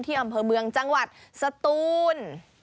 อำเภอเมืองจังหวัดสตูน